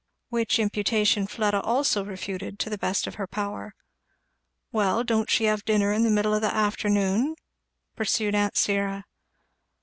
Which imputation Fleda also refuted to the best of her power. "Well, don't she have dinner in the middle of the afternoon?" pursued aunt Syra.